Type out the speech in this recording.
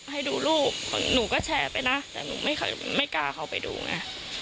ให้ดูรูปหนูก็แชร์ไปนะแต่หนูไม่กล้าเข้าไปดูไง